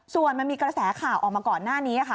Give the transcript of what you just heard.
ส่วนมันมีกระแสข่าวออกมาก่อนหน้านี้ค่ะ